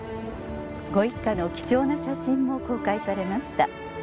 ご一家の貴重な写真も公開されました。